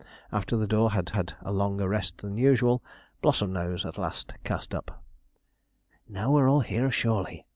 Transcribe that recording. After the door had had a longer rest than usual, Blossomnose at last cast up: 'Now we're all here surely!'